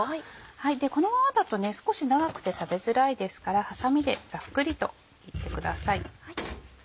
このままだと少し長くて食べづらいですからはさみでざっくりと切ってください。